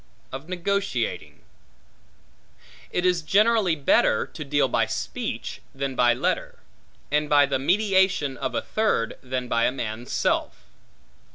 Of Negotiating IT IS generally better to deal by speech than by letter; and by the mediation of a third than by a man's self.